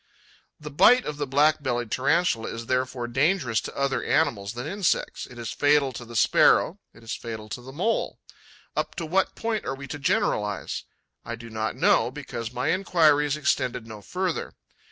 The bite of the Black bellied Tarantula is therefore dangerous to other animals than insects: it is fatal to the Sparrow, it is fatal to the Mole. Up to what point are we to generalize? I do not know, because my enquiries extended no further.